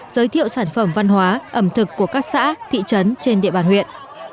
giới thiệu sản phẩm văn hóa ẩm thực của các xã thị trấn trên địa bàn huyện